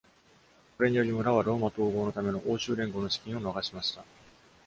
これにより、村はローマ統合のための欧州連合の資金を逃しました。